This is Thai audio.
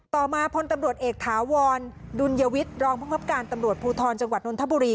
ต่อมาพลตำรวจเอกถาวรดุลยวิทย์รองภูมิครับการตำรวจภูทรจังหวัดนทบุรี